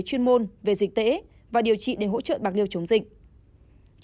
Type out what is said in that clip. chuyên môn về dịch tễ và điều trị để hỗ trợ bạc liêu chống dịch